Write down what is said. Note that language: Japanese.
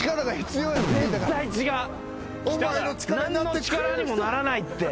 何の力にもならないって。